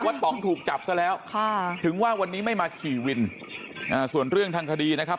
ต้องถูกจับซะแล้วค่ะถึงว่าวันนี้ไม่มาขี่วินอ่าส่วนเรื่องทางคดีนะครับ